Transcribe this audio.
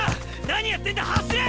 何やってんだ走れ！